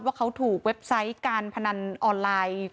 ว่าเขาถูกเว็บไซต์การพนันออนไลน์